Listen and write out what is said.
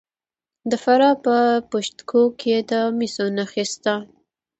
د فراه په پشت کوه کې د مسو نښې شته.